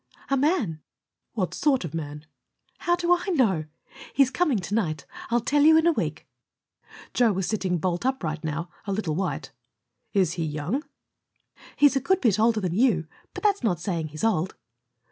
"A man." "What sort of man?" "How do I know? He is coming tonight. I'll tell you in a week." Joe was sitting bolt upright now, a little white. "Is he young?" "He's a good bit older than you, but that's not saying he's old."